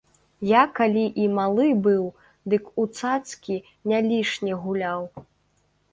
Я калі і малы быў, дык у цацкі не лішне гуляў.